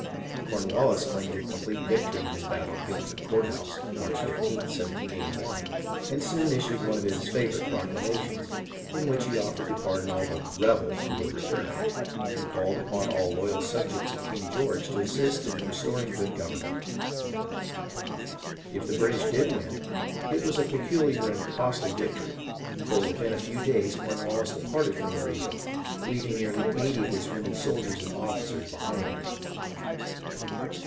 Cornwallis claimed a complete victory in this battle of Guilford Court house, March 15th, 1781, and soon issued one of his fa vourite proclamations, in which he offered to pardon all the " rebels " who would return, and called upon all loyal subjects of King George to assist in restoring good gov ernment. If the British did win, it was a peculiar and costly victory, for within a few days Cornwallis departed from the region, leaving nearly 80 of his wounded soldiers and officers behind him.